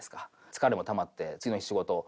疲れもたまって次の日仕事。